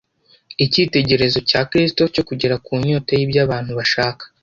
Icyitegerezo cya Kristo cyo kugera ku nyota y’ibyo abantu bashaka